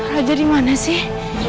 raja dimana sih